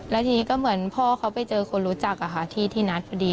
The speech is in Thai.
แล้วทีนี้ก็เหมือนพ่อเขาไปเจอคนรู้จักที่นัดพอดี